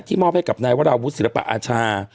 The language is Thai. มอบให้กับนายวราวุฒิศิลปะอาชา